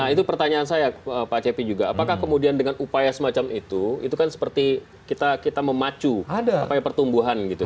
nah itu pertanyaan saya pak cepi juga apakah kemudian dengan upaya semacam itu itu kan seperti kita memacu pertumbuhan gitu